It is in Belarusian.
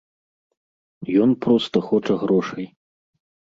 Ён проста хоча грошай.